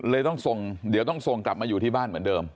ต้องส่งเดี๋ยวต้องส่งกลับมาอยู่ที่บ้านเหมือนเดิม